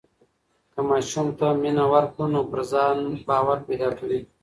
که ماشوم ته مینه ورکړو نو پر ځان باور پیدا کوي.